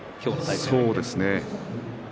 そうですね。